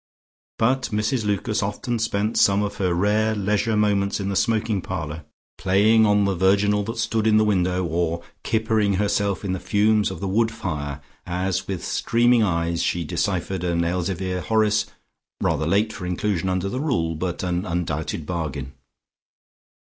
But Mrs Lucas often spent some of her rare leisure moments in the smoking parlour, playing on the virginal that stood in the window, or kippering herself in the fumes of the wood fire as with streaming eyes she deciphered an Elzevir Horace rather late for inclusion under the rule, but an undoubted bargain.